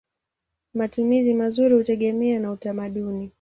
Matumizi mazuri hutegemea na utamaduni.